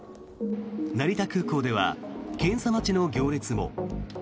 成田空港では検査待ちの行列も。